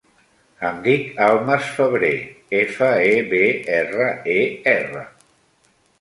Em dic Almas Febrer: efa, e, be, erra, e, erra.